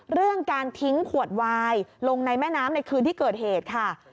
เรื่องการทิ้งขวดวายลงในแม่น้ำในคืนที่เกิดเหตุค่ะ